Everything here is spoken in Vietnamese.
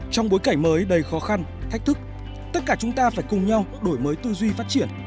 trong bối cảnh mới đầy khó khăn thách thức tất cả chúng ta phải cùng nhau đổi mới tư duy phát triển